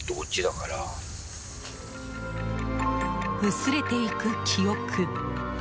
薄れていく記憶。